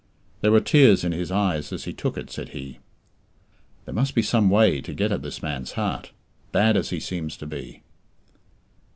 "There were tears in his eyes as he took it," said he. There must be some way to get at this man's heart, bad as he seems to be.